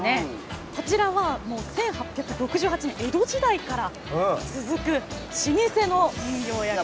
こちらは１８６８年江戸時代から続く老舗の人形焼き店。